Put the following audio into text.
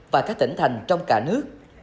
và các tỉnh thành trong cả nước